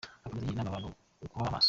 Akomeza agira inama abantu kuba maso.